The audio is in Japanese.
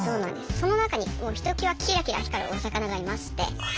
その中にひときわキラキラ光るお魚がいまして。